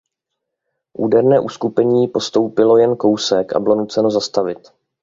Úderné uskupení postoupilo jen kousek a bylo nuceno zastavit.